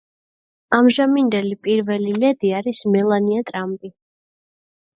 ამჟამინდელი პირველი ლედი არის მელანია ტრამპი.